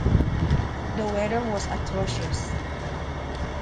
The weather was atrocious.